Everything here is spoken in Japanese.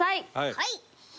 はい。